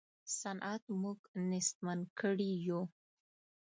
صنعت موږ نېستمن کړي یو.